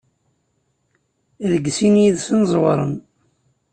Deg sin yid-sen ẓewren.